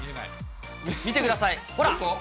見てください、ほら。